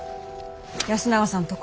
安永さんとこ。